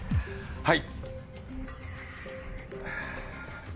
はい。